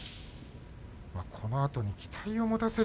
このあとに期待をもたせる